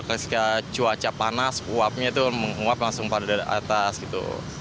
ketika cuaca panas uapnya itu menguap langsung pada atas gitu